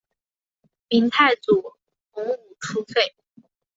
明太祖洪武初废。